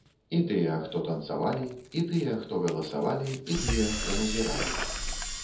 І тыя, хто танцавалі, і тыя, хто галасавалі, і тыя, хто назіралі.